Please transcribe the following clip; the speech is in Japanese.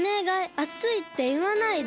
あついっていわないで。